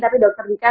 tapi dokter dika